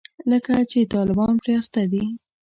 لکه طالبان چې پرې اخته دي.